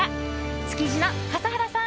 築地の笠原さん！